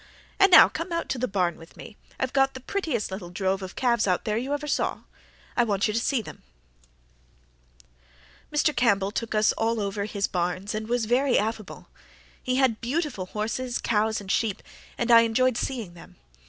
And now come out to the barn with me. I've got the prettiest little drove of calves out there you ever saw. I want you to see them." Mr. Campbell took us all over his barns and was very affable. He had beautiful horses, cows and sheep, and I enjoyed seeing them.